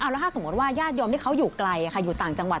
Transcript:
แล้วถ้าสมมุติว่าญาติโยมที่เขาอยู่ไกลอยู่ต่างจังหวัด